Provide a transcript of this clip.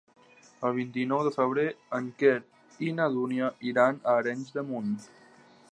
El vint-i-nou de febrer en Quer i na Dúnia iran a Arenys de Munt.